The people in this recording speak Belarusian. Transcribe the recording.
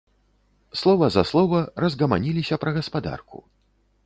Слова за слова, разгаманіліся пра гаспадарку.